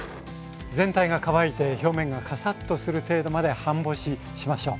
全体が乾いて表面がカサッとする程度まで半干ししましょう。